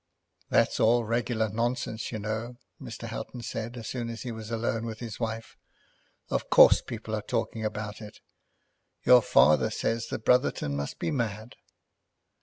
"That's all regular nonsense, you know," Mr. Houghton said as soon as he was alone with his wife. "Of course people are talking about it. Your father says that Brotherton must be mad."